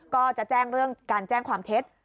ก็จะแจ้งเรื่องการแจ้งความเท็จ